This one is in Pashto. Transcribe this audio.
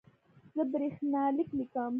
زه برېښنالیک لیږم